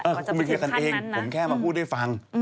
เขาคงไปเคลียร์กันเองผมแค่มาพูดให้ฟัง